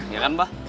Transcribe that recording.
iya kan pak